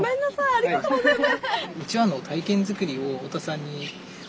ありがとうございます！